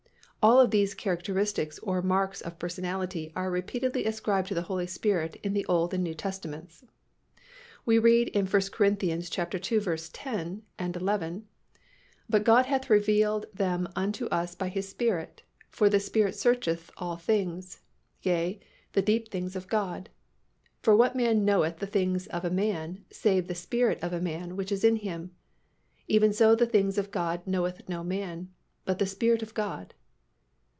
All of these characteristics or marks of personality are repeatedly ascribed to the Holy Spirit in the Old and New Testaments. We read in 1 Cor. ii. 10, 11, "But God hath revealed them unto us by His Spirit: for the Spirit searcheth all things, yea, the deep things of God. For what man knoweth the things of a man, save the spirit of man which is in him? even so the things of God knoweth no man, but the Spirit of God."